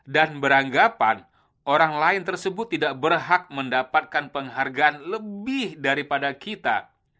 dan beranggapan orang lain tersebut tidak berhak mendapatkan penghargaan lebih daripada kita